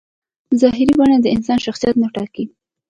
ظاهري بڼه د انسان شخصیت نه ټاکي.